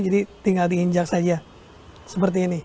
jadi tinggal diinjak saja seperti ini